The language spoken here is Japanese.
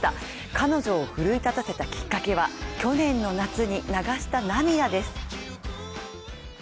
彼女を奮い立たせたきっかけは去年の夏に流した涙です。